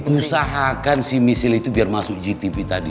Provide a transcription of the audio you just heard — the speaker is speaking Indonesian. usahakan michelle itu biar masuk gtv tadi